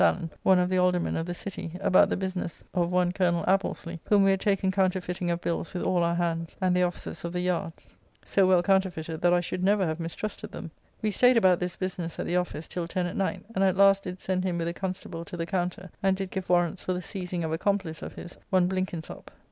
Allen, one of the Aldermen of the City, about the business of one Colonel Appesley, whom we had taken counterfeiting of bills with all our hands and the officers of the yards, so well counterfeited that I should never have mistrusted them. We staid about this business at the office till ten at night, and at last did send him with a constable to the Counter; and did give warrants for the seizing of a complice of his, one Blinkinsopp.